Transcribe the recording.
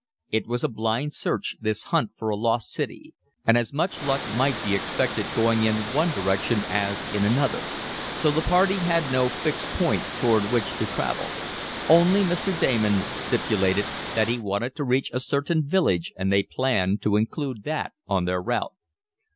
It was a blind search, this hunt for a lost city, and as much luck might be expected going in one direction as in another; so the party had no fixed point toward which to travel. Only Mr. Damon stipulated that he wanted to reach a certain village, and they planned to include that on their route.